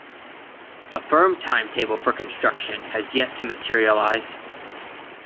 A firm timetable for construction has yet to materialize.